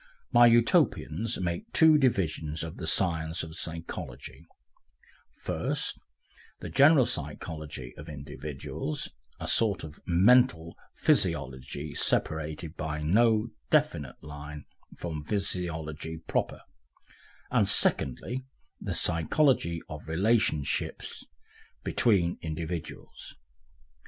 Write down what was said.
My Utopians make two divisions of the science of psychology, first, the general psychology of individuals, a sort of mental physiology separated by no definite line from physiology proper, and secondly, the psychology of relationship between individuals.